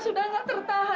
jangan keluar rangga